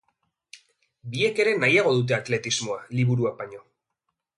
Biek ere nahiago dute atletismoa, liburuak baino.